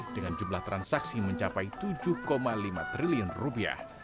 dengan jumlah transaksi mencapai tujuh lima triliun rupiah